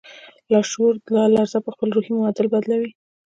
لاشعور دا لړزه پهخپل روحي معادل بدلوي